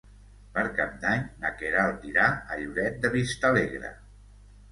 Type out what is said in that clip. Per Cap d'Any na Queralt irà a Lloret de Vistalegre.